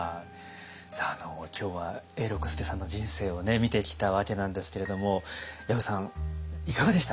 さあ今日は永六輔さんの人生を見てきたわけなんですけれども薮さんいかがでした？